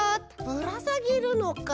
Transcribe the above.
ぶらさげるのか。